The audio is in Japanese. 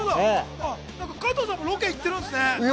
加藤さんもロケ行ってるんですね。